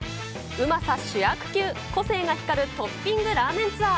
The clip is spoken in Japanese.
うまさ主役級、個性が光るトッピングラーメンツアー！